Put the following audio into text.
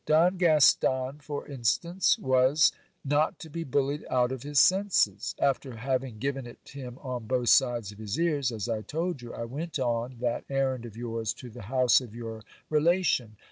Don Gaston, for instance, was not to be bullied out of his senses. After having given it him on both sides of his ears, as I told you, I went on that errand of yours to the house of your re lation.